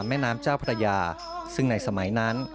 แม่น้ำเจ้าพระยาซึ่งในสมัยนั้น